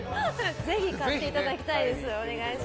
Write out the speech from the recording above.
ぜひ買っていただきたいです。